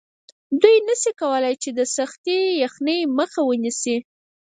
دوی نشي کولی چې د سختې یخنۍ مخه ونیسي